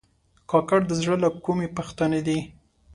کاکړ د زړه له کومي پښتانه دي.